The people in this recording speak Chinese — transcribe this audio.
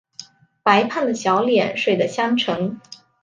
白胖的小脸睡的香沉